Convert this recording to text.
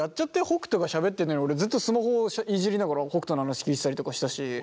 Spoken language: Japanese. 北斗がしゃべってんのに俺ずっとスマホいじりながら北斗の話聞いてたりとかしたし。